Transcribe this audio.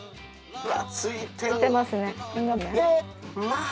うわ！